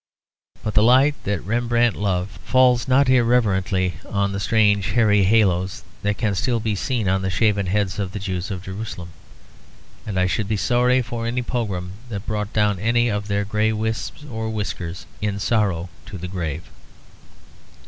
But the light that Rembrandt loved falls not irreverently on the strange hairy haloes that can still be seen on the shaven heads of the Jews of Jerusalem. And I should be sorry for any pogrom that brought down any of their grey wisps or whiskers in sorrow to the grave.